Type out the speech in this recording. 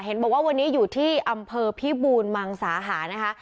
เห็นบอกว่าวันนี้อยู่ที่อำเภอพิบูรมังสาหานะคะ